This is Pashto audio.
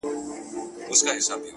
دوې عمهګاني مي د وردګو کره واده دي